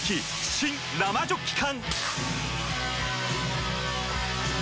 新・生ジョッキ缶！